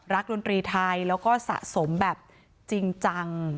ดนตรีไทยแล้วก็สะสมแบบจริงจัง